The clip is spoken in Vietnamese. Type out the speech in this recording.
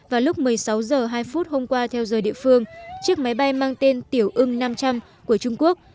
vào lúc một mươi sáu h hai hôm qua theo giờ địa phương chiếc máy bay mang tên tiểu ưng năm trăm linh của trung quốc